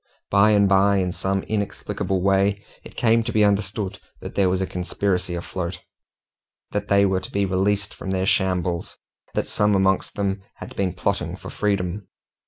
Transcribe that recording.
By and by, in some inexplicable way, it came to be understood that there was a conspiracy afloat, that they were to be released from their shambles, that some amongst them had been plotting for freedom.